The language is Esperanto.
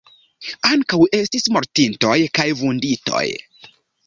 Ankaŭ estis mortintoj kaj vunditoj.